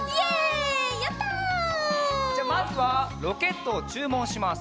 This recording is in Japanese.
じゃあまずはロケットをちゅうもんします。